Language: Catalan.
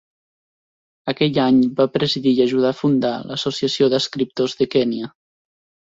Aquell any va presidir i ajudar a fundar l'Associació d'Escriptors de Kènia.